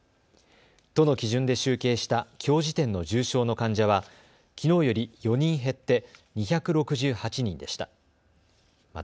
都の基準で集計したきょう時点の重症の患者はきのうより４人減って２６８人でした。